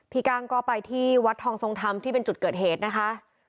กั้งก็ไปที่วัดทองทรงธรรมที่เป็นจุดเกิดเหตุนะคะ